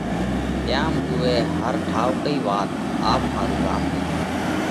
تيام اُوئي هر ٺائُوڪئِي وات آپ ۿارُو راکئِي